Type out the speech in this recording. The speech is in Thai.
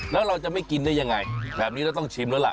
แล้วเราจะไม่กินได้ยังไงแบบนี้เราต้องชิมแล้วล่ะ